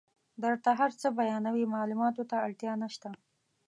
درته هر څه بیانوي معلوماتو ته اړتیا نشته.